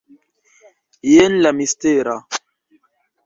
Jen la mistera...